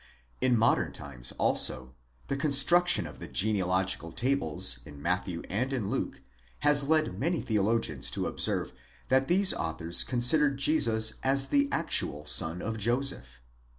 In modern times also the construction of the genealogical tables in Matthew and in Luke has led many theologians to observe, that these authors considered Jesus as the actual son of Joseph.?